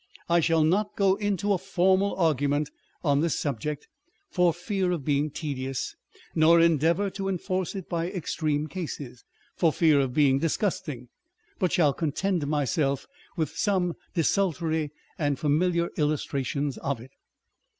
I shall not go into a formal argument on this subject, for fear of being tedious, nor endeavour to enforce it by extreme cases, for fear of being disgusting ; but shall content myself with some desultory and familiar illustrations of it.